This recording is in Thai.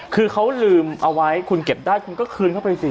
คือเขาลืมเอาไว้คุณเก็บได้คุณก็คืนเข้าไปสิ